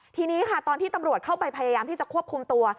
ทีนี้ค่ะตอนที่ตำรวจเข้าไปพยายามที่จะควบคุมตัว